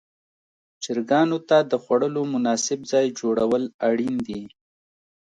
چرګانو ته د خوړلو مناسب ځای جوړول اړین دي.